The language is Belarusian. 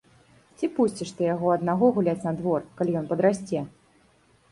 Ці пусціш ты яго аднаго гуляць на двор, калі ён падрасце?